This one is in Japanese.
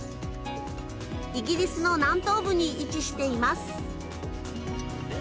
イギリスの南東部に位置しています。